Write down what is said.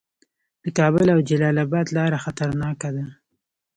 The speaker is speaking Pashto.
د کابل او جلال اباد لاره خطرناکه ده